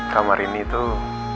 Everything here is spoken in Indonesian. kamar ini tuh